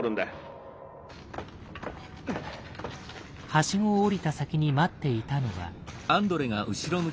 ハシゴを降りた先に待っていたのは。